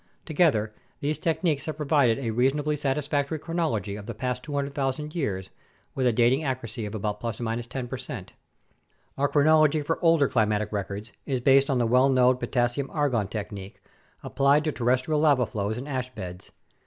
Together, these techniques have provided a reasonably satisfactory chronology of the past 200,000 years with a dating accuracy of about ±10 percent. Our chronology for older climatic records is based on the well known K/Ar technique, applied to terrestrial lava flows and ash beds.